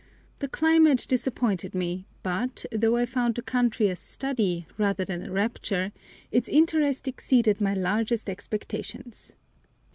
The climate disappointed me, but, though I found the country a study rather than a rapture, its interest exceeded my largest expectations.